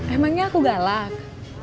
emangnya aku galak